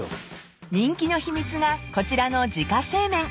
［人気の秘密がこちらの自家製麺］